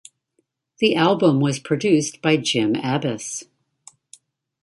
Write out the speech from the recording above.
The album was produced by Jim Abbiss.